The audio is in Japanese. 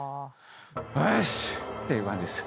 おしっ！っていう感じです。